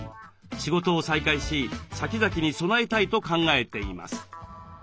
仕事を再開し先々に備えたいと考えています。